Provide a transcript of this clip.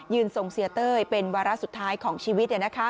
ทรงเสียเต้ยเป็นวาระสุดท้ายของชีวิต